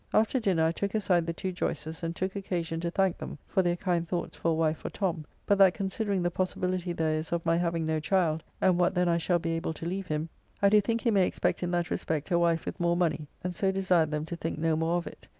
After dinner, I took aside the two Joyce's, and took occasion to thank them for their kind thoughts for a wife for Tom: but that considering the possibility there is of my having no child, and what then I shall be able to leave him, I do think he may expect in that respect a wife with more money, and so desired them to think no more of it.